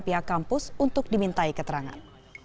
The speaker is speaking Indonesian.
pihak kampus untuk dimintai keterangan